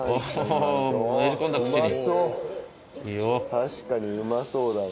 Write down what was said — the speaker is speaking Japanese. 確かにうまそうだわ。